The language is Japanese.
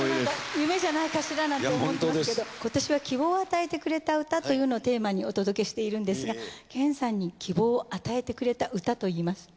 夢じゃないかしらなんて思ってますけど今年は希望を与えてくれた歌というのをテーマにお届けしているんですが剣さんに希望を与えてくれた歌といいますと。